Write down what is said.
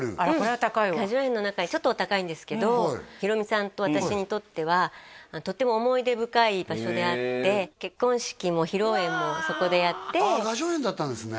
うん雅叙園の中にちょっとお高いんですけどヒロミさんと私にとってはとても思い出深い場所であって結婚式も披露宴もそこでやってあっ雅叙園だったんですね